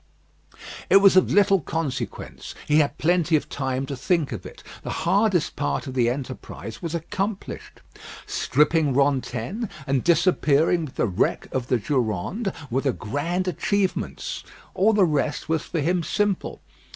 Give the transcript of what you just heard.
It was of little consequence. He had plenty of time to think of it. The hardest part of the enterprise was accomplished. Stripping Rantaine, and disappearing with the wreck of the Durande, were the grand achievements. All the rest was for him simple.